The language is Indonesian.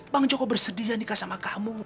bang joko bersedia nikah sama kamu